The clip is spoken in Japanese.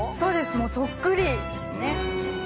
もうそっくりですね。